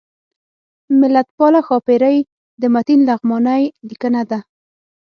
ملتپاله ښاپیرۍ د متین لغمانی لیکنه ده